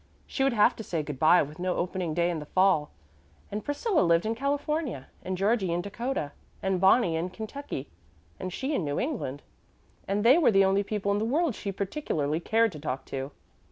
She would have to say good by, with no opening day in the fall and Priscilla lived in California and Georgie in South Dakota and Bonnie in Kentucky and she in New England, and they were the only people in the world she particularly cared to talk to.